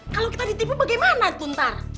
kalau kita ditipu bagaimana tuh ntar